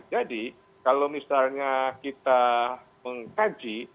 jadi kalau misalnya kita mengkaji